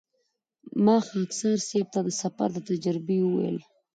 ما خاکسار صیب ته د سفر د تجربې وویل.